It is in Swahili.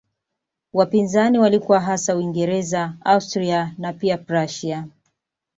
Wapinzani walikuwa hasa Uingereza, Austria na pia Prussia.